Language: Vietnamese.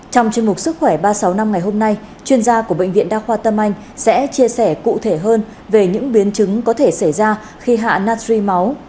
trong chuyên mục sức khỏe ba trăm sáu mươi năm ngày hôm nay chuyên gia của bệnh viện đa khoa tâm anh sẽ chia sẻ cụ thể hơn về những biến chứng có thể xảy ra khi hạ nagri máu